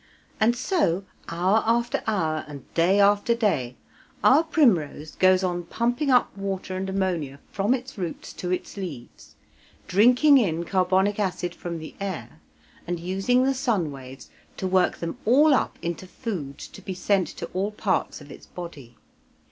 And so hour after hour and day after day our primrose goes on pumping up water and ammonia from its roots to its leaves, drinking in carbonic acid from the air, and using the sun waves to work them all up into food to be sent to all parts of its body.